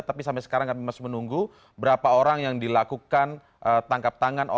tapi sampai sekarang kami masih menunggu berapa orang yang dilakukan tangkap tangan